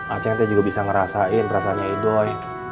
aceh ngga juga bisa ngerasain perasaannya idoi